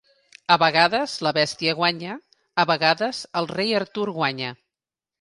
A vegades la bèstia guanya, a vegades el rei Artur guanya.